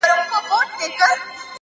هره تجربه د عقل یو نوی رنګ دی،